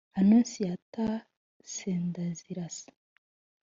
Annonciata Sendazirasa